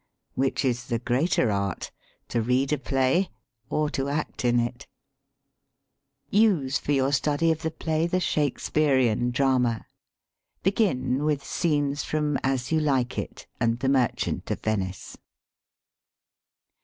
Which is the greater art : to read a play, or to act in it ? Use for your study of the play the Shake spearian drama. Begin with scenes from "As You Like It" and "The Merchant of Venice."